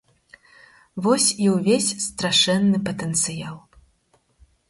Вось і ўвесь страшэнны патэнцыял.